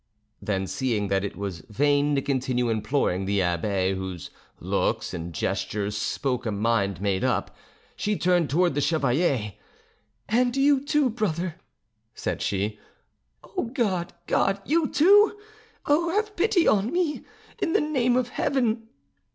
Then seeing that it was vain to continue imploring the abbe, whose looks and gestures spoke a mind made up, she turned towards the chevalier. "And you too, brother," said she, "oh, God, God! you, too! Oh, have pity on me, in the name of Heaven!"